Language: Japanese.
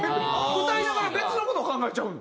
歌いながら別の事を考えちゃうの？